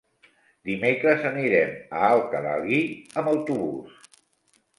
Dimecres anirem a Alcalalí amb autobús.